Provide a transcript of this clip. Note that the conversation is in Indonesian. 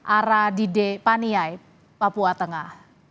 arah dede paniai papua tengah